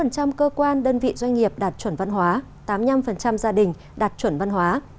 chín mươi sáu cơ quan đơn vị doanh nghiệp đạt chuẩn văn hóa tám mươi năm gia đình đạt chuẩn văn hóa